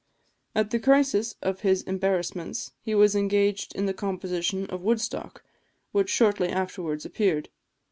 At the crisis of his embarrassments he was engaged in the composition of "Woodstock," which shortly afterwards appeared.